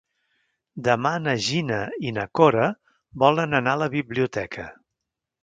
Demà na Gina i na Cora volen anar a la biblioteca.